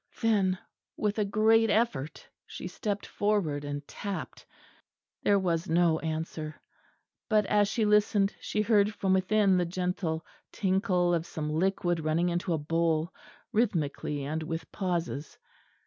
Then with a great effort she stepped forward and tapped. There was no answer; but as she listened she heard from within the gentle tinkle of some liquid running into a bowl, rhythmically, and with pauses.